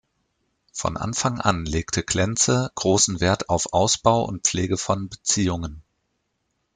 Von Anfang an legte Klenze großen Wert auf Ausbau und Pflege von Beziehungen.